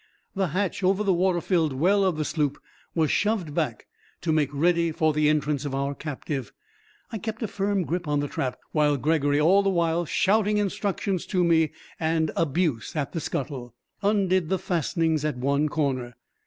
The hatch over the water filled well of the sloop was shoved back to make ready for the entrance of our captive. I kept a firm grip on the trap while Gregory, all the while shouting instructions to me and abuse at the scuttle, undid the fastenings at one corner.